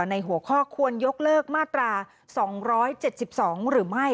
ในหัวข้อควรยกเลิกมาตรา๒๗๒หรือไม่